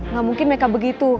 gak mungkin mereka begitu